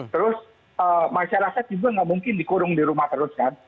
terus masyarakat juga nggak mungkin dikurung di rumah terus kan